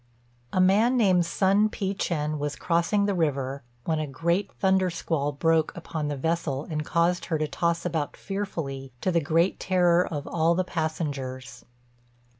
A man named Sun Pi chên was crossing the river when a great thunder squall broke upon the vessel and caused her to toss about fearfully, to the great terror of all the passengers.